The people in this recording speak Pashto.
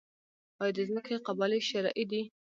آیا د ځمکې قبالې شرعي دي؟